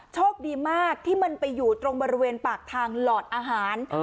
โชคดีมากที่มันไปอยู่ตรงบริเวณปากทางหลอดอาหาร